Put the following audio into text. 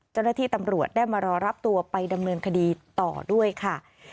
เจ้าหน้าที่ตำรวจได้มารอรับตัวไปดำเนินคดีต่อด้วยค่ะ